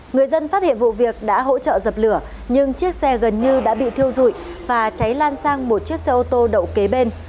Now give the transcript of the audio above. người dân phát hiện vụ việc đã hỗ trợ dập lửa nhưng chiếc xe gần như đã bị thiêu dụi và cháy lan sang một chiếc xe ô tô đậu kế bên